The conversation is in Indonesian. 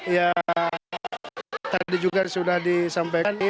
ya tadi juga sudah disampaikan